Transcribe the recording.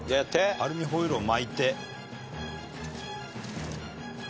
アルミホイルを巻いて。